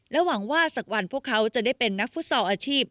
หวังว่าสักวันพวกเขาจะได้เป็นนักฟุตซอลอาชีพ